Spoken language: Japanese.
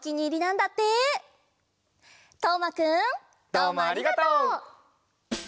どうもありがとう！